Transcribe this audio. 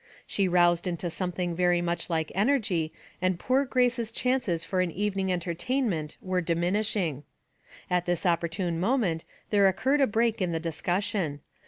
She roused into some thing very like energy and poor Grace's chances for an evening entertainment were diminishing. At this opportune moment there occurred a break in the discussion.